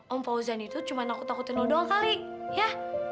om fauzan itu cuma nakut takutin nodol kali ya